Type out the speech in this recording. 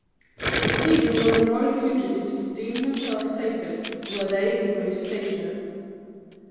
But even when the royal fugitives deemed themselves safest were they in the greatest danger.